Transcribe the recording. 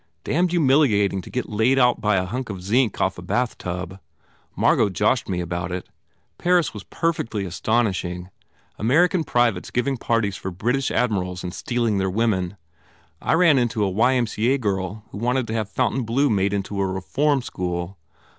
"Damned humiliating to get laid out by a hunk of zinc off a bathtub. Margot joshed me about it. ... Paris was perfectly astonishing! American privates giving parties for British admirals and stealing their women. I ran into a Y. M. C. A. girl who wanted to have Fontainebleau made into a reform school.